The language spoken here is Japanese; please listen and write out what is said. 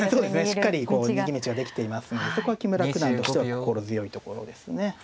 しっかりこう逃げ道ができていますんでそこは木村九段としては心強いところですね。